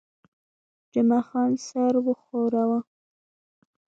جمعه خان سر وښوراوه.